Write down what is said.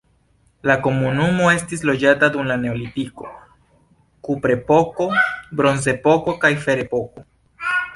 La komunumo estis loĝata dum la neolitiko, kuprepoko, bronzepoko kaj ferepoko.